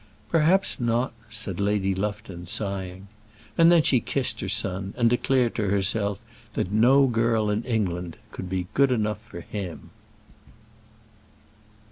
"Perhaps not," said Lady Lufton, sighing. And then she kissed her son, and declared to herself that no girl in England could be good enough for him.